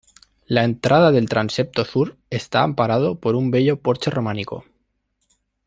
La entrada del transepto sur está amparado por un bello porche románico.